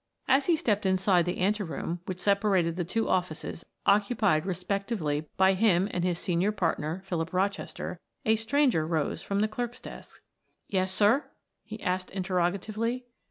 As he stepped inside the anteroom which separated the two offices occupied respectively by him and his senior partner, Philip Rochester, a stranger rose from the clerk's desk. "Yes, sir?" he asked interrogatively.